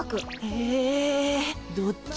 ええどっち？